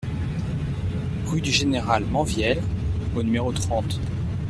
Rue du Général Menvielle au numéro trente